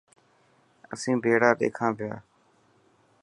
اسين ڀيڙا ڏيکان پيا.